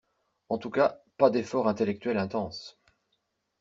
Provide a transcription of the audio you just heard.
En tout cas pas d'effort intellectuel intense.